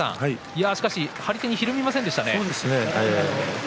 張り手にひるみませんでしたね。